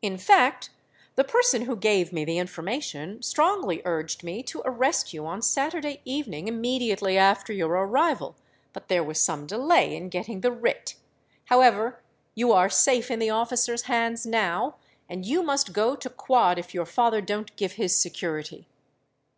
In fact, the person who gave me the information, strongly urged me to arrest you on Saturday evening immediately after your arrival; but there was some delay in getting the writ. However, you are safe in the officer's hands now; and you must go to quod if your father don't give his security.'